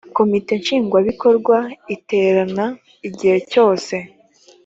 komite nshingwabikorwa iterana igihe cyose